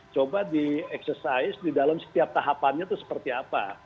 coba dieksesais di dalam setiap tahapannya itu seperti apa